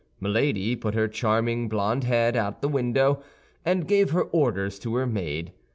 Milady put her charming blond head out at the window, and gave her orders to her maid.